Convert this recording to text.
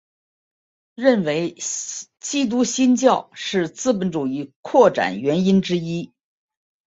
认为基督新教是资本主义扩展原因之一。